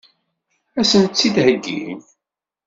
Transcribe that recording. Ad sent-tt-id-heggin?